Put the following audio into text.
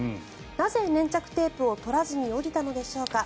なぜ粘着テープを取らずに下りたのでしょうか。